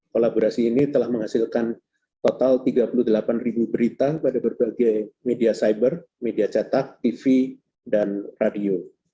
kolaborasi ini telah menghasilkan total tiga puluh delapan ribu berita pada berbagai media cyber media cetak tv dan radio